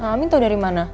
amin tau dari mana